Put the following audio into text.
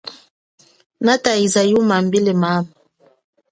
Nataiza yuma ambile mama.